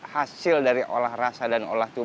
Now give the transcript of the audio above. hasil dari olah rasa dan olah tubuh